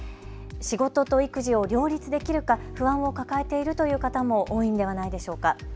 仕事と育児を両立できるか不安を抱えているという方も多いんではないでしょうか。